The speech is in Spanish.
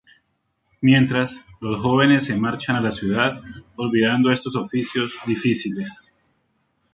Mientras, los jóvenes se marchan a la ciudad, olvidando estos oficios difíciles.